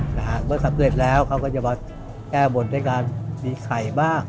หากมันสำเร็จแล้วเค้าก็จะมาแก้บนด้วยการบิขัยบ้าง